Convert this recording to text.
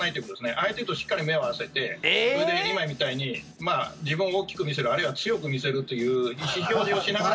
相手としっかり目を合わせてそれで、今みたいに自分を大きく見せるあるいは強く見せるという意思表示をしながら。